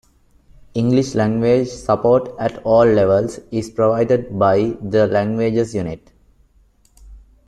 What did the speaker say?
English language support at all levels is provided by the Languages Unit.